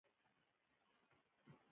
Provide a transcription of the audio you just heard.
کريم :زه دا خبره بيا تکرار وم.